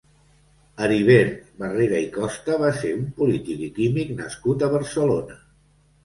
Heribert Barrera i Costa va ser un polític i químic nascut a Barcelona.